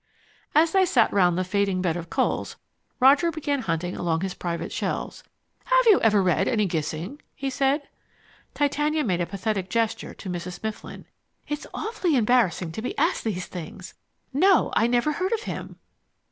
As they sat round the fading bed of coals, Roger began hunting along his private shelves. "Have you ever read any Gissing?" he said. Titania made a pathetic gesture to Mrs. Mifflin. "It's awfully embarrassing to be asked these things! No, I never heard of him."